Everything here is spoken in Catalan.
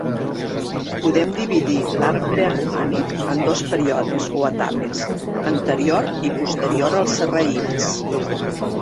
Podem dividir l'art preromànic en dos períodes o etapes: anterior i posterior als sarraïns.